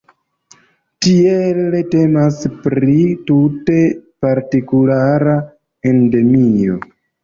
Tiele temas pri tute partikulara endemio.